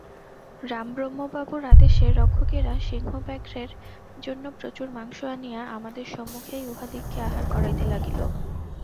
রামব্রহ্মবাবুর আদেশে রক্ষকেরা সিংহব্যাঘ্রের জন্য প্রচুর মাংস আনিয়া আমাদের সম্মুখেই উহাদিগকে আহার করাইতে লাগিল।